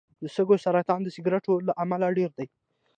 د سږو سرطان د سګرټو له امله ډېر دی.